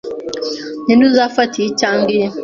Ninde uzafata, iyi cyangwa iyi?